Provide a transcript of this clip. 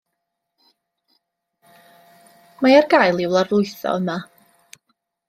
Mae ar gael i'w lawrlwytho yma.